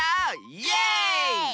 イエーイ！